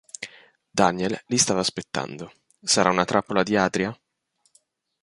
Daniel li stava aspettando: sarà una trappola di Adria?